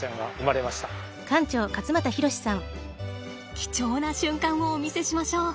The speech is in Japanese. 貴重な瞬間をお見せしましょう。